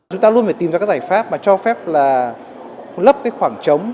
chúng ta luôn phải tìm ra các giải pháp mà cho phép là lấp cái khoảng trống